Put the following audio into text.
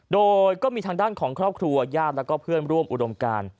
โดยก็มีทางด้านของครอบครัวญาติแล้วก็เพื่อนร่วมอุดมการ